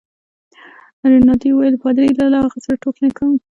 رینالډي وویل: پادري؟ زه له هغه سره ټوکې نه کوم.